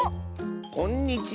こんにちは。